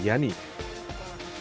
yang mengadakan penyelidikannya